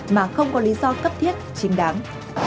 mà không có lý do cấp thiết chính đáng